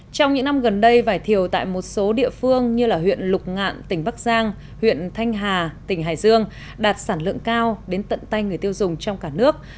trong những năm gần đây vải thiều tại một số địa phương như huyện lục ngạn tỉnh bắc giang huyện thanh hà tỉnh hải dương đạt sản lượng cao đến tận tay người tiêu dùng trong cả nước